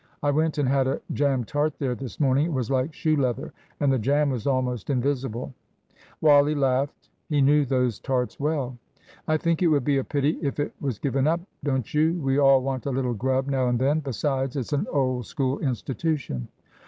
I went and had a jam tart there this morning. It was like shoe leather; and the jam was almost invisible." Wally laughed. He knew those tarts well. "I think it would be a pity if it was given up; don't you? We all want a little grub now and then; besides, it's an old School institution."